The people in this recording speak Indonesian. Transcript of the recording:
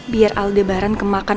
biar aldebaran kemakan